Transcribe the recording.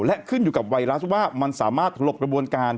และขึ้นอยู่กับไวรัสว่ามันสามารถถลบกระบวนการ